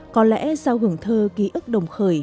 có lẽ sao hưởng thơ ký ức đồng khởi